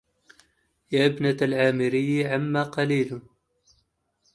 يا ابنة العامري عما قليل